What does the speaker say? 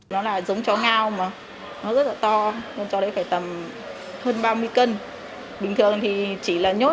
nó là giống chó ngao mà nó rất là to nên chó đấy phải tầm hơn ba mươi cân bình thường thì chỉ là nhốt